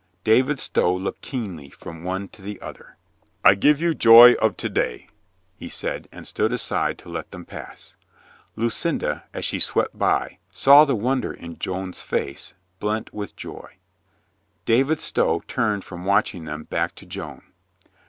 David Stow looked keenly from one to the other. "I give you joy of to day," he said and stood aside to let them pass. Lucinda, as she swept by, saw the wonder in Joan's face blent with joy ... David Stow turned from watching them back to Joan.